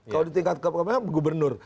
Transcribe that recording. kalau di tingkat kementrian itu gubernur